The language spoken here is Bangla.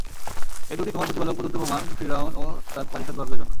এ দুটি তোমার প্রতিপালক প্রদত্ত প্রমাণ, ফিরআউন ও তার পারিষদবর্গের জন্য।